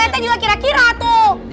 ya pak rt juga kira kira tuh